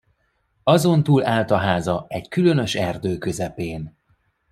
Azon túl állt a háza, egy különös erdő közepén.